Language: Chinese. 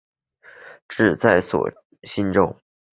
治所在梓州。